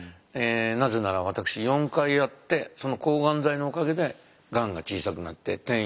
なぜなら私４回やってその抗がん剤のおかげでがんが小さくなって転移も防げたので。